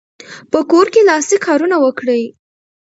په کور کې لاسي کارونه وکړئ.